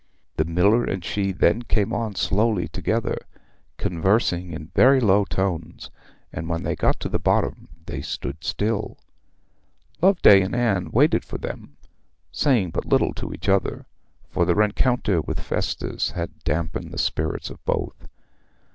The miller and she then came on slowly together, conversing in very low tones, and when they got to the bottom they stood still. Loveday and Anne waited for them, saying but little to each other, for the rencounter with Festus had damped the spirits of both.